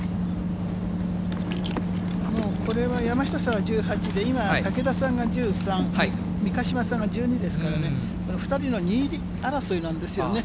もうこれは山下さん１８で、今、竹田さんが１３、三ヶ島さんが１２ですからね、２人の２位争いなんですよね。